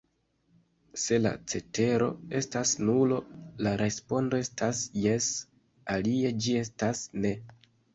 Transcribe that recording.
Se la cetero estas nulo, la respondo estas 'jes'; alie, ĝi estas 'ne'.